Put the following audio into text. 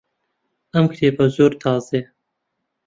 ئەم کتێبە زۆر تازەیە.